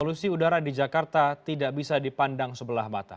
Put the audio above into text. polusi udara di jakarta tidak bisa dipandang sebelah mata